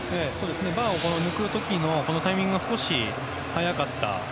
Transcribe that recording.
バーを抜く時のタイミングが少し早かった。